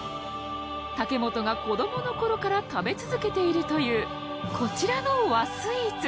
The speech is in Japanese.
武元が子どもの頃から食べ続けているというこちらの和スイーツ。